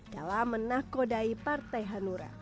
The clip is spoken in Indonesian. dalam menakodai partai hanura